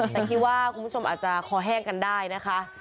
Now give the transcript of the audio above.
แต่คิดว่าคุณผู้ชมอาจจะคอแห้งกันได้นะคะ